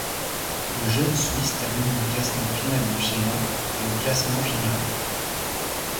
Le jeune Suisse termine du classement final du géant et au classement général.